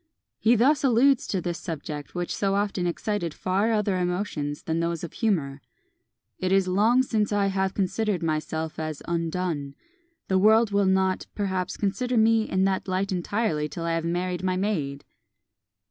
He thus alludes to this subject, which so often excited far other emotions than those of humour: "It is long since I have considered myself as undone. The world will not, perhaps, consider me in that light entirely till I have married my maid!"